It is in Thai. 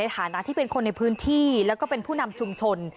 ฐานะที่เป็นคนในพื้นที่แล้วก็เป็นผู้นำชุมชน